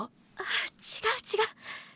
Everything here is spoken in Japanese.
あっ違う違う。